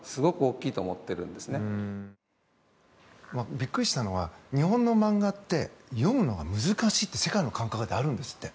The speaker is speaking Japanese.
びっくりしたのは日本の漫画って読むのは難しいって世界の感覚であるんですって。